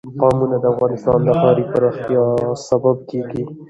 قومونه د افغانستان د ښاري پراختیا سبب کېږي.